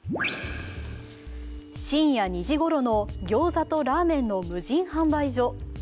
深夜２時頃のギョーザとラーメンの無人販売所。